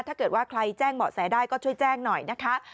ถ้าเกิดว่าใครแจ้งเหมาะแสได้ก็ช่วยแจ้งหน่อยนะคะ